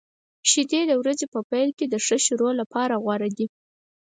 شیدې د ورځې په پیل کې د ښه شروع لپاره غوره دي.